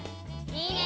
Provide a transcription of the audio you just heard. いいね！